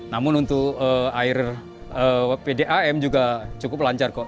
namun untuk air pdam juga cukup lancar kok